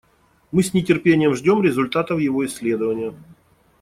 Мы с нетерпением ждем результатов его исследования.